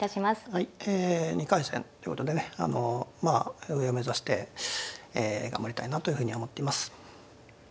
はいえ２回戦ということでねあのまあ上を目指してえ頑張りたいなというふうに思っています。